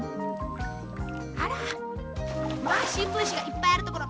あらまあしんぶんしがいっぱいあるところ。